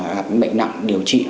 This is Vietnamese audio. gặp những bệnh nặng điều trị